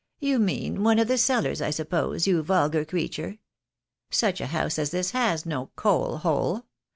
" You mean one of the cellars, I suppose, you vulgar creature. Such a house as this has no coal hole.